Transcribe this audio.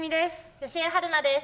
吉江晴菜です。